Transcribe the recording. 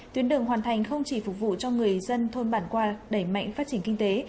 tuyến đường hoàn thành không chỉ phục vụ cho người dân thôn bản qua đẩy mạnh phát triển kinh tế